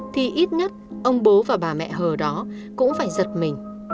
thì ít nhất ông bố và bà mẹ hờ đó cũng phải giật mình